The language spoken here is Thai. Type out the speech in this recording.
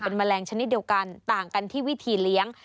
แมลงชนิดเดียวกันต่างกันที่วิธีเลี้ยง